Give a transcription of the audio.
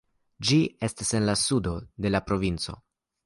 Ĝi estas en la sudo de la provinco.